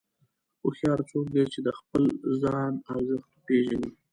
هوښیار څوک دی چې د خپل ځان ارزښت پېژني.